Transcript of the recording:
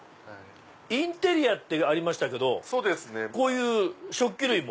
インテリアってありましたけどこういう食器類も？